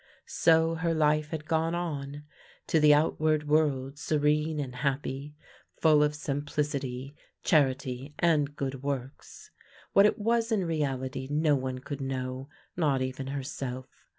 So her life had gone on; to the outward world serene and happy, full of simplicity, charity, and good works. What it was in reality no one could know, not even herself.